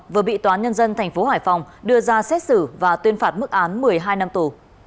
vừa bị tòa nhân dân tp hải phòng đưa ra xét xử và tuyên phạt mức án một mươi hai năm tù